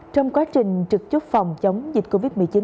trong quá trình trực chốt phòng chống dịch covid một mươi chín